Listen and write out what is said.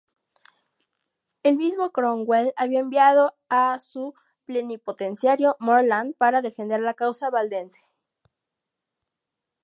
El mismo Cromwell había enviado a su plenipotenciario, Morland, para defender la causa valdense.